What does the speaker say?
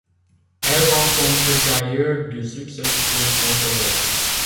Elle rencontre d'ailleurs du succès pour son solo.